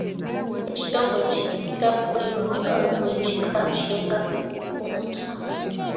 Ekitongole kino kyakulirwanga ow’ekika ky’engabi Kkunsa.